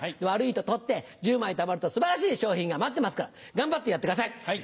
悪いと取って１０枚たまると素晴らしい賞品が待ってますから頑張ってやってください！